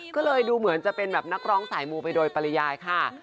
ก็เลยดูเหมือนจะเป็นแบบนักร้องสายมูไปโดยปริยายค่ะ